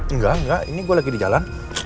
enggak enggak ini gue lagi di jalan